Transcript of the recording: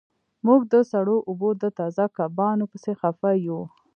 موږ د سړو اوبو د تازه کبانو پسې خفه یو